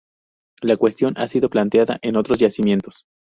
La cuestión ha sido planteada en otros yacimientos.